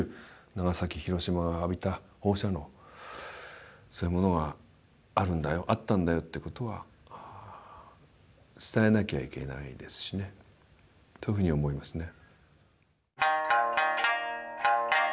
長崎広島が浴びた放射能そういうものがあるんだよあったんだよってことは伝えなきゃいけないですしねというふうに思いますね。